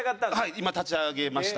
今立ち上げました。